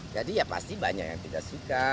jadi ya pasti banyak yang tidak suka